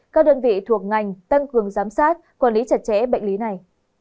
các đơn vị thuộc ngành tăng cường giám sát quản lý chặt chẽ bệnh lý này